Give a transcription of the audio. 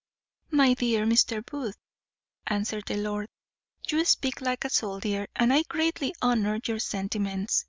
"My dear Mr. Booth," answered the lord, "you speak like a soldier, and I greatly honour your sentiments.